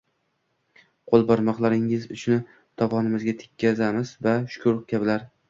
qo‘l barmoqlarining uchini tovonimizga tekkizamiz va shu kabilar.